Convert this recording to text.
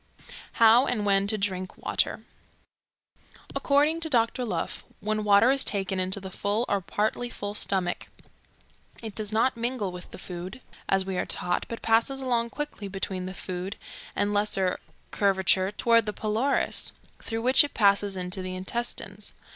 How and When to Drink Water. According to Doctor Leuf, when water is taken into the full or partly full stomach, it does not mingle with the food, as we are taught, but passes along quickly between the food and lesser curvature toward the pylorus, through which it passes into the intestines.